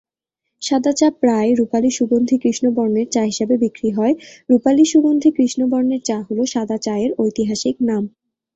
সাদা চা প্রায়ই রূপালি-সুগন্ধি কৃষ্ণ বর্ণের চা হিসেবে বিক্রি হয়। রূপালি-সুগন্ধি কৃষ্ণ বর্ণের চা হলো সাদা চা এর ঐতিহাসিক নাম।